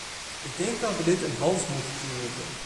Ik denk dat we dit een halt moeten toeroepen.